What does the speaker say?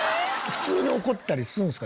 普通に怒ったりするんですか？